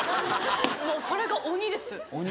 もうそれが鬼です